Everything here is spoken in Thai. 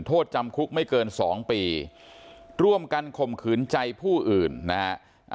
โทษจำคุกไม่เกินสองปีร่วมกันข่มขืนใจผู้อื่นนะฮะ